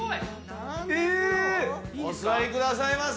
何ですの⁉お座りくださいませ。